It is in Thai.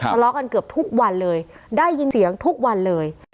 ทะเลาะกันเกือบทุกวันเลยได้ยินเสียงทุกวันเลย